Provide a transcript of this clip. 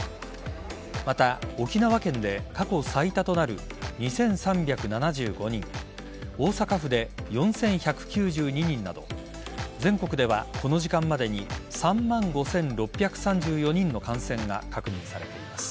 また、沖縄県で過去最多となる２３７５人大阪府で４１９２人など全国ではこの時間までに３万５６３４人の感染が確認されています。